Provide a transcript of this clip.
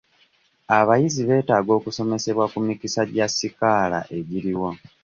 Abayizi beetaaga okusomesebwa ku mikisa gya sikaala egiriwo.